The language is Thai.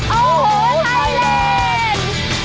โอ้โหไทยเล่น